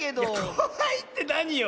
こわいってなによ。